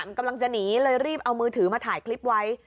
มันกำลังจะหนีเลยรีบเอามือถือมาถ่ายคลิปไว้